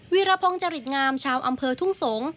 รพงศ์จริตงามชาวอำเภอทุ่งสงศ์